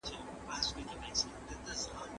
د خطاطۍ استادان د ښې لیکني لاري ښیي.